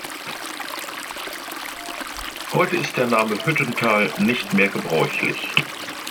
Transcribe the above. Heute ist der Name Hüttental nicht mehr gebräuchlich.